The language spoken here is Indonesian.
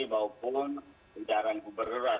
karena uji tombak pengendalian ini ada di masyarakat